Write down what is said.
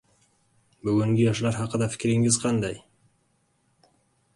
Bugungi yoshlar haqida fikringiz qanday?